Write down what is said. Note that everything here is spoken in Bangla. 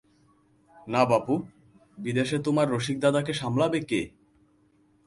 না বাপু, বিদেশে তোমার রসিকদাদাকে সামলাবে কে?